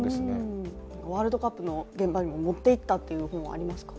ワールドカップの現場にも持っていったという本はありますか？